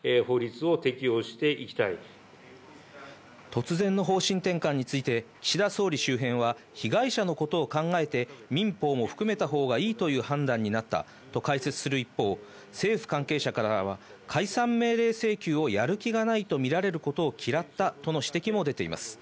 突然の方針転換について岸田総理周辺は被害者のことを考えて民放も含めたほうがいいという判断になったと解説する一方、政府関係者からは解散命令請求をやる気がないとみられることを嫌ったとの指摘も出ています。